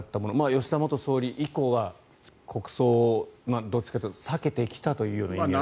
吉田元総理以降は国葬をどちらかというと避けてきたという感じですが。